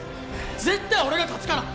絶対俺が勝つから！